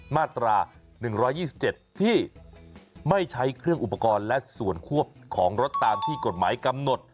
มาตรา๑๒๗ที่ไม่ใช้เครื่องอุปกรณ์และส่วนควบของรถตามที่กฎหมายกำหนด